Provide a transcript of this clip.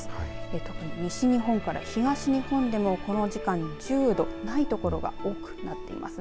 特に西日本から東日本でもこの時間、１０度ない所が多くなっていますね。